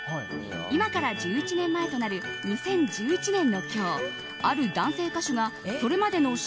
今から１１年前となる２０１１年の今日ある男性歌手が、それまでのＣＤ